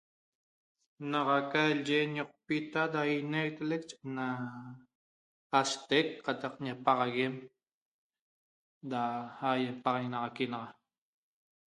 Naxa calye ñoqpita da ienleq ena asteq catac ñapaxaguen da paxaguenaxaqui naxa